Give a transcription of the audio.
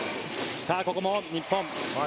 ここも日本。